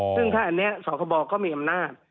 ซึ่งถ้าอันนี้สคบก็มีอำนาจ